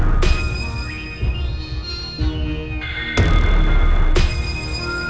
dan temannya bilang kalo roy itu meninggal gara gara dia tuh ngehamlin perempuan itu